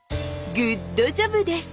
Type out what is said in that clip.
グッドジョブです。